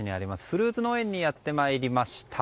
フルーツ農園にやってまいりました。